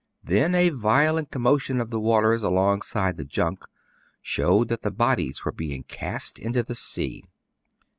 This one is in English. '^ Then a violent commotion of the waters along side the junk showed that bodies were being cast into the sea.